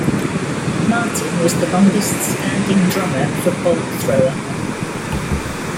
Martin was the longest standing drummer for Bolt Thrower.